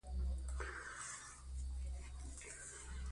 په افغانستان کې چنګلونه ډېر اهمیت لري.